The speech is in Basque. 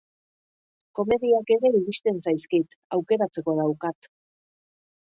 Komediak ere iristen zaizkit, aukeratzeko daukat.